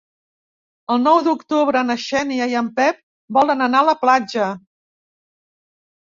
El nou d'octubre na Xènia i en Pep volen anar a la platja.